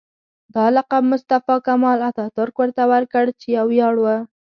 دا لقب مصطفی کمال اتاترک ورته ورکړ چې یو ویاړ و.